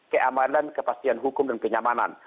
keamanan kepastian hukum dan kenyamanan